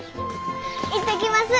行ってきます！